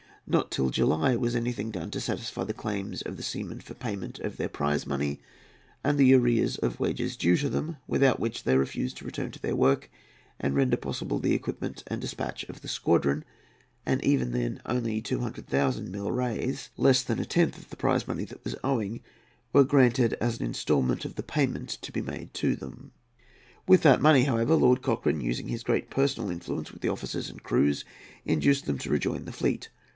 Not till July was anything done to satisfy the claims of the seamen for payment of their prize money and the arrears of wages due to them, without which they refused to return to their work and render possible the equipment and despatch of the squadron; and even then only 200,000 milreis—less than a tenth of the prize money that was owing—were granted as an instalment of the payment to be made to them. With that money, however, Lord Cochrane, using his great personal influence with the officers and crews, induced them to rejoin the fleet.